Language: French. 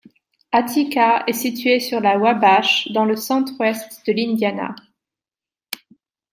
Attica est située sur la Wabash dans le centre-ouest de l'Indiana.